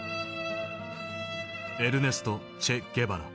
エルネスト・チェ・ゲバラ。